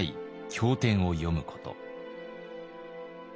経典を読むこと。